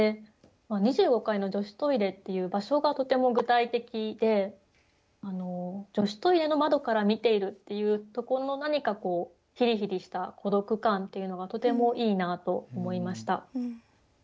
「二十五階の女子トイレ」っていう場所がとても具体的で女子トイレの窓から見ているっていうとこの何かこうヒリヒリした孤独感っていうのがとてもいいなと思いました。